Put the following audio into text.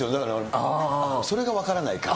あっ、それが分からないか。